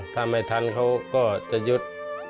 ถ้าไม่ทันเขาก็จะหยุด